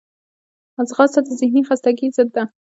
ځغاسته د ذهني خستګي ضد ده